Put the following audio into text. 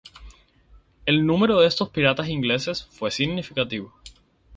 El número de estos piratas ingleses fue significativo.